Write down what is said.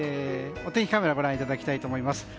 お天気カメラをご覧いただきたいと思います。